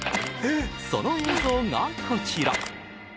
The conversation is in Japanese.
その映像がこちら。